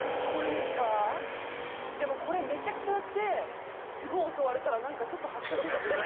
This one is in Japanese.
でも、これ、めちゃくちゃやってすごい襲われたらなんかちょっと恥ずかしいですよね。